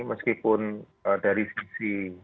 meskipun dari sisi